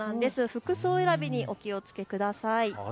服装選びにお気をつけください。